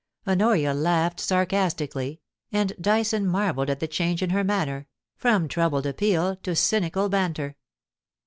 Honoria laughed sarcastically, and Dyson marvelled at the change in her manner, from troubled appeal to cynical banter.